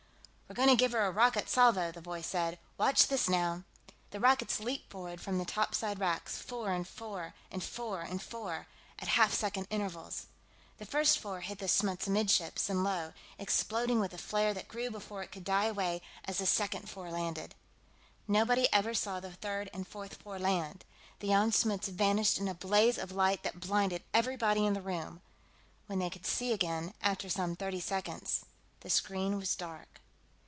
"We're going to give her a rocket salvo," the voice said. "Watch this, now!" The rockets leaped forward, from the topside racks, four and four and four and four, at half second intervals. The first four hit the Smuts amidships and low, exploding with a flare that grew before it could die away as the second four landed. Nobody ever saw the third and fourth four land. The Jan Smuts vanished in a blaze of light that blinded everybody in the room; when they could see again, after some thirty seconds, the screen was dark.